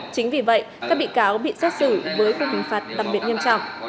chính vì vậy các bị cáo bị xét xử với cuộc hình phạt tạm biệt nghiêm trọng